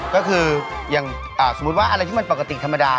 ก็คืออย่างสมมุติว่าอะไรที่มันปกติธรรมดา